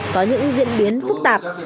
có những diễn biến phức tạp